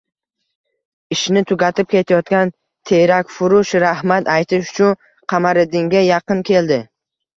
Ishini tugatib ketayotgan terakfurush rahmat aytish uchun Qamariddinga yaqin keldi